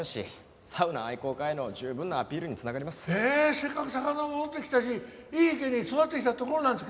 せっかく魚も戻ってきたしいい池に育ってきたところなんですけどね。